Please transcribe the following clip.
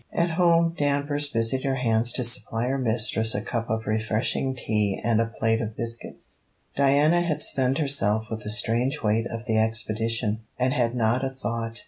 At home, Danvers busied her hands to supply her mistress a cup of refreshing tea and a plate of biscuits. Diana had stunned herself with the strange weight of the expedition, and had not a thought.